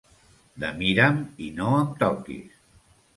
De mira'm i no em toquis.